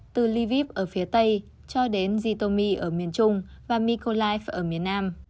từ lviv ở phía tây cho đến zitomir ở miền trung và mykolaiv ở miền nam